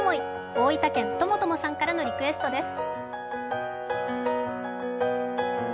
大分県、ともともさんからのリクエストです。